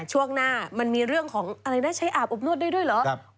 ช่วงหน้ามันมีเรื่องของอะไรนะใช้อาบอบนวดได้ด้วยเหรอ